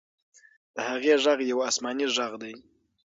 د هغې ږغ یو آسماني ږغ دی.